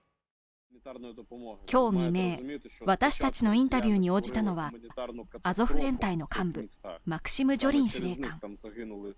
今日未明、私たちのインタビューに応じたのはアゾフ連隊の幹部、マクシム・ジョリン司令官。